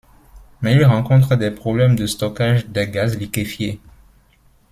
Mais il rencontre des problèmes de stockage des gaz liquéfiés.